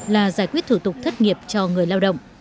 là giải quyết thủ tục thất nghiệp cho người lao động